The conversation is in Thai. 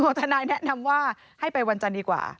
ทนายแนะนำว่าให้ไปวันจันทร์ดีกว่า